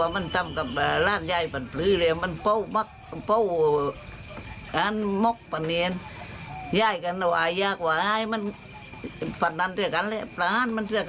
มันทำคนเดียวไม่ได้มันยังเรื่อยปกปวก